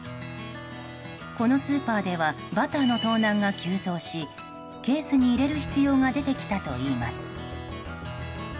このスーパーではバターの盗難が急増しケースに入れる必要が出てきたといいます。